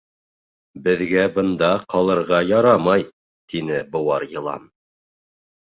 — Беҙгә бында ҡалырға ярамай, — тине быуар йылан.